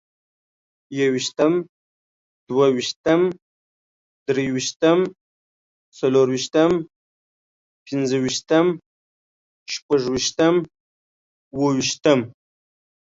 يوویشتم، دوويشتم، دريوشتم، څلورويشتم، پنځوويشتم، شپږويشتم، اوويشتمه